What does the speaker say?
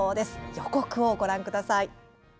予告をご覧ください。